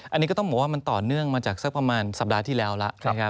อันนี้ก็ต้องบอกว่ามันต่อเนื่องมาจากสักประมาณสัปดาห์ที่แล้วแล้วนะครับ